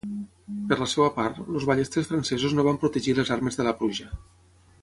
Per la seva part, els ballesters francesos no van protegir les armes de la pluja.